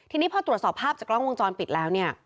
ทีนี้พอตรวจสอบภาพจากกล้องวงจรปิดแล้วเนี่ย